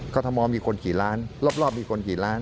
ทมมีคนกี่ล้านรอบมีคนกี่ล้าน